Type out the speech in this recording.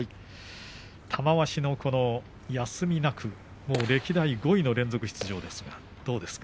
玉鷲の休みなく歴代５位の連続出場ですが、どうですか？